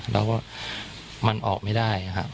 แล้วก็มันออกไม่ได้ครับ